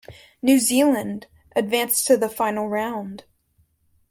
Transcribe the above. "New Zealand" advanced to the Final Round.